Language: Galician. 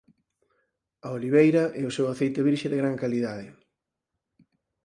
A oliveira e o seu aceite virxe de gran calidade.